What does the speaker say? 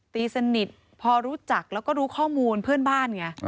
ตีสนิทพอรู้จักแล้วก็รู้ข้อมูลเพื่อนบ้านไง